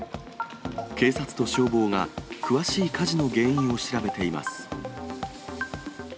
警察と消防が詳しい火事の原因を調べています。